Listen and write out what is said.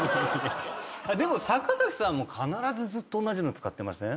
でも坂崎さんも必ずずっと同じの使ってません？